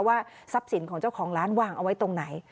ว่าทรัพย์สินของเจ้าของร้านวางเอาไว้ตรงไหน